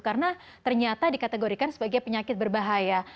karena ternyata dikategorikan sebagai penyakit berbahaya